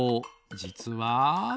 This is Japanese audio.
じつは。